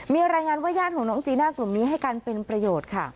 มีรายงานว่าญาติของน้องจีน่ากลุ่มนี้ให้การเป็นประโยชน์ค่ะ